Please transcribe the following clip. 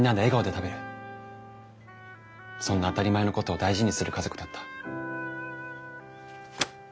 そんな当たり前のことを大事にする家族だった。